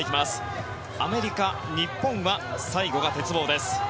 アメリカ、日本は最後が鉄棒です。